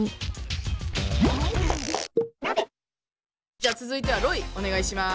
じゃあ続いてはロイお願いします！